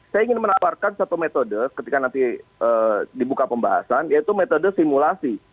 saya ingin menawarkan satu metode ketika nanti dibuka pembahasan yaitu metode simulasi